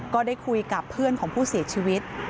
ก็ได้คุยกับเพื่อนของผู้เสียชีวิต